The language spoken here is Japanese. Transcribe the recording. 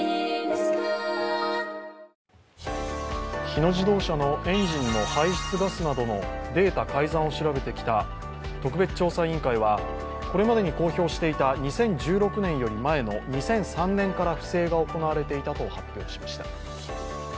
日野自動車のエンジンの排出ガスなどのデータ改ざんを調べてきた特別調査委員会はこれまでに公表していた２０１６年より前の２００３年から不正が行われていたと発表しました。